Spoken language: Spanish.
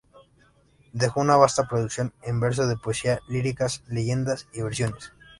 Dejó una vasta producción en verso, de poesía líricas, leyendas y versiones.